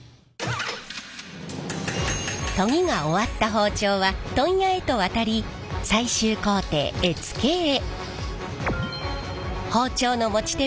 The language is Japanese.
研ぎが終わった包丁は問屋へと渡り最終工程柄付けへ。